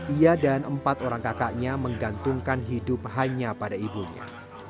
ia dan empat orang kakaknya menggantungkan hidup hanya pada ibunya